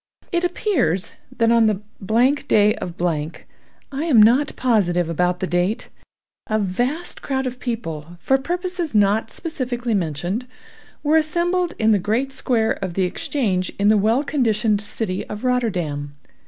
It appears that on the—— day of—— (I am not positive about the date), a vast crowd of people, for purposes not specifically mentioned, were assembled in the great square of the Exchange in the well conditioned city of Rotterdam.